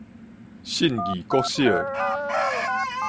信義國小